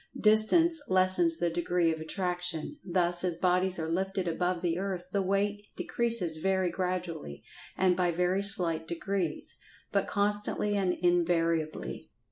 Distance lessens the degree of attraction—thus as bodies are lifted above the earth the weight decreases very gradually, and by very slight degrees, but constantly and invariably.